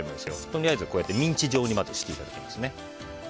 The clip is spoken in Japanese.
とりあえずミンチ状にまずしていただきますね。